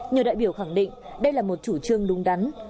nhiều đại biểu khẳng định đây là một chủ trương đúng đắn